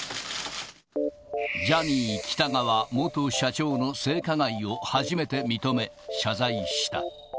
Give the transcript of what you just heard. ジャニー喜多川元社長の性加害を初めて認め、謝罪した。